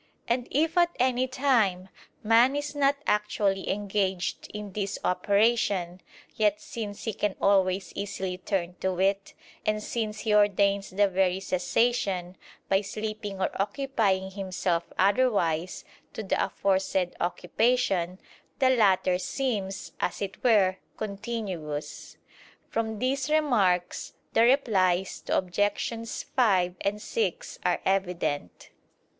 And if at any time man is not actually engaged in this operation, yet since he can always easily turn to it, and since he ordains the very cessation, by sleeping or occupying himself otherwise, to the aforesaid occupation, the latter seems, as it were, continuous. From these remarks the replies to Objections 5 and 6 are evident.